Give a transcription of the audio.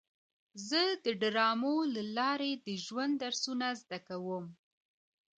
زه د ډرامو له لارې د ژوند درسونه زده کوم.